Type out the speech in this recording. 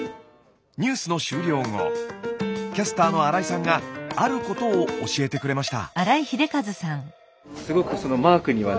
ニュースの終了後キャスターの新井さんがあることを教えてくれました。